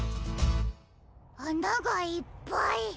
あながいっぱい。